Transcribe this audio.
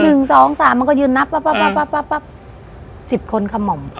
หนึ่งสองสามมันก็ยืนนับป๊ะป๊ะป๊ะป๊ะป๊ะสิบคนค่ะหม่อมอืม